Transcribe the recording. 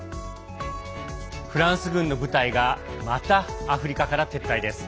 フランス軍の部隊がまたアフリカから撤退です。